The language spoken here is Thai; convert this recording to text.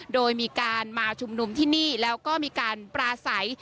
โดยมีการมาชุมนุมที่นี่แล้วก็มีการปราศัย